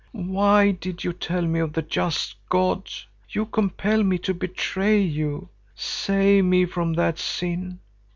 Why did you tell me of the just God? You compel me to betray you. Save me from that sin.